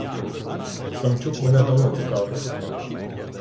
Самчук мене давно цікавить.